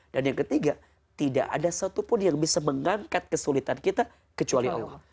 dan yang ketiga tidak ada satupun yang bisa mengangkat kesulitan kita kecuali allah